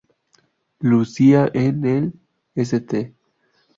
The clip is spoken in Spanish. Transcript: Lucia en el St.